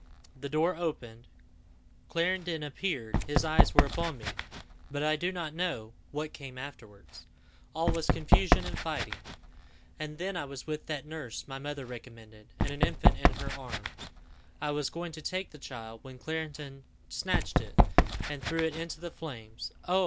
The door opened, Clarendon appeared his eyes were upon me; but I do not know what came afterwards; all was confusion and fighting. And then I was with that nurse my mother recommended, and an infant in her arms. I was going to take the child, when Clarendon snatched it, and threw it into the flames. Oh!